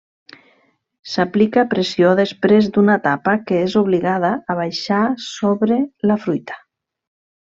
S'aplica pressió després d'una tapa que és obligada a baixar sobre la fruita.